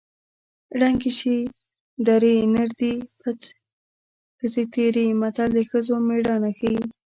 ړنګې شې درې نر دې پڅ ښځې تېرې متل د ښځو مېړانه ښيي